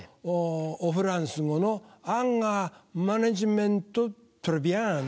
おフランス語のアンガーマネジメントトレビアン。